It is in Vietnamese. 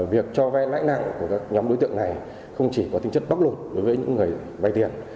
việc cho vay lãnh nặng của các nhóm đối tượng này không chỉ có tính chất bốc lục đối với những người vay tiền